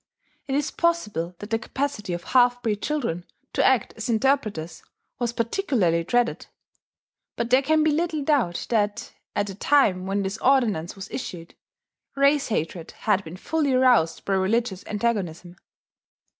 It is possible that the capacity of half breed children to act as interpreters was particularly dreaded; but there can be little doubt that, at the time when this ordinance was issued, race hatred had been fully aroused by religious antagonism.